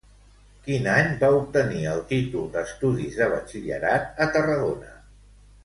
Quin any va obtenir el títol d'estudis de batxillerat a Tarragona?